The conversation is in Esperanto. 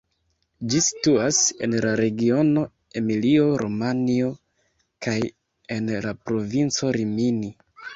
Ĝi situas en la regiono Emilio-Romanjo kaj en la provinco Rimini.